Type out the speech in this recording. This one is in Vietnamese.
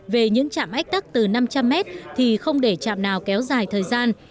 về những trạm ách tắc từ năm trăm linh mét thì không để trạm nào kéo dài thời gian